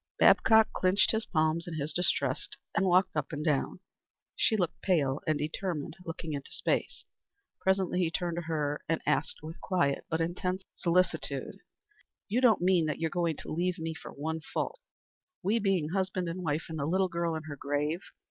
Babcock clinched his palms in his distress and walked up and down. She stood pale and determined looking into space. Presently he turned to her and asked with quiet but intense solicitude, "You don't mean that you're going to leave me for one fault, we being husband and wife and the little girl in her grave?